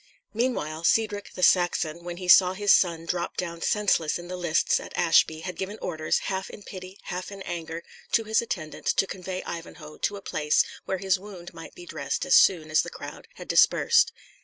Meanwhile, Cedric the Saxon, when he saw his son drop down senseless in the lists at Ashby, had given orders, half in pity, half in anger, to his attendants to convey Ivanhoe to a place where his wound might be dressed as soon as the crowd had dispersed.